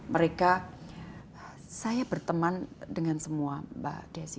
mereka saya berteman dengan semua mbak desi